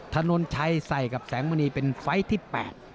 ถนนชัยใส่กับแสงมณีเป็นไฟล์ที่๘